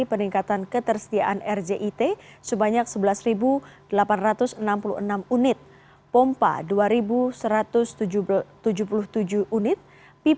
perusahaan yang berasal dari sumur bor maupun aliran irigasi